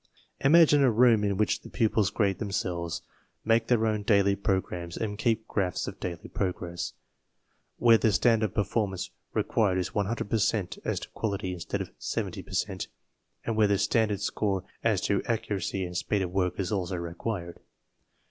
Imagine a room in which the pupils grade themselves, make their own daily pro grams, and keep graphs of daily progress; where the standard of performance required is 100 per cent as to quality, instead of 70 per cent, and where the standard score as to accuracy and speed of work is also required.